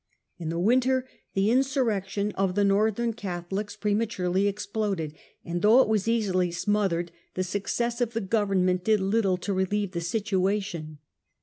In the winter the insurrec tion of the Northern Catholics prematurely exploded, and though it was easily smothered, the success of the Government did little to relieve the situation.